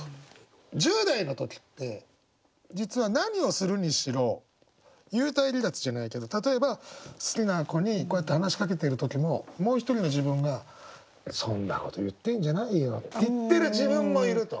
１０代の時って実は何をするにしろ幽体離脱じゃないけど例えば好きな子にこうやって話しかけてる時ももう一人の自分が「そんなこと言ってんじゃないよ」って言ってる自分もいると。